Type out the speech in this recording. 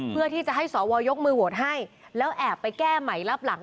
เพื่อที่จะให้สวยกมือโหวตให้แล้วแอบไปแก้ใหม่รับหลัง